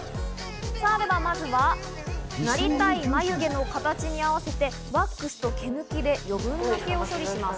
さぁ、ではまずはなりたい眉毛の形に合わせて、ワックスと毛抜きで余分な毛を処理します。